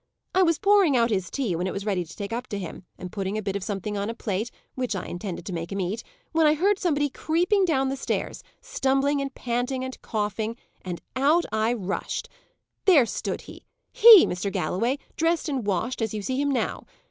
"I was pouring out his tea when it was ready to take up to him, and putting a bit of something on a plate, which I intended to make him eat, when I heard somebody creeping down the stairs stumbling, and panting, and coughing and out I rushed. There stood he he, Mr. Galloway! dressed and washed, as you see him now!